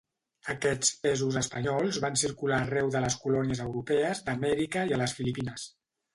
Aquests pesos espanyols van circular arreu de les colònies europees d'Amèrica i a les Filipines.